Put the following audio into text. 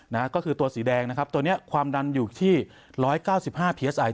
นะฮะก็คือตัวสีแดงนะครับตัวเนี้ยความดันอยู่ที่ร้อยเก้าสิบห้าพีสไอ